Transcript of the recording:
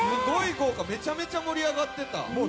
めちゃめちゃ盛り上がってた。